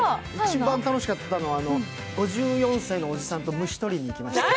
一番楽しかったのは５４歳のおじさんと虫とりにいきました。